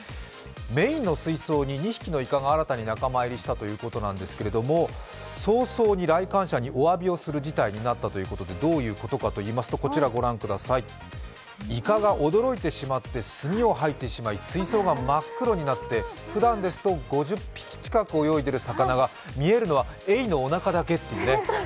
メーンの水槽に２匹イカが新たに仲間入りしたということなんですけれども、早々に来館者におわびをする事態になったということでどういうことかと言いますと、イカが驚いてしまってスミを吐いてしまって、水槽が真っ黒になって、ふだんですと５０匹ぐらい泳いでいる魚が見えるのがエイのおなかだけというね。